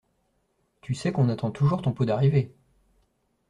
Tu sais qu'on attend toujours ton pot d'arrivée!